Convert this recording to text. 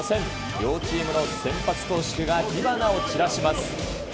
両チームの先発投手が火花を散らします。